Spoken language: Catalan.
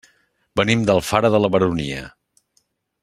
Venim d'Alfara de la Baronia.